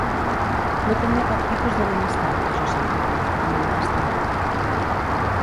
No tenia cap tipus d’enemistat, que jo sàpiga, ha manifestat.